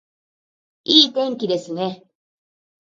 いい天気ですね